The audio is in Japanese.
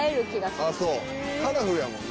あぁそう。カラフルやもんな。